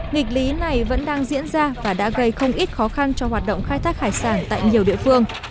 nghịch lý này vẫn đang diễn ra và đã gây không ít khó khăn cho hoạt động khai thác hải sản tại nhiều địa phương